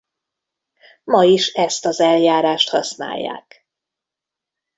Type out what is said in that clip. Ma is ezt az eljárást használják.